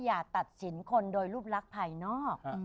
อย่าตัดสินคนโดยรูปลักษณ์ภายนอก